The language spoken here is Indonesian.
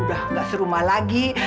udah gak serumah lagi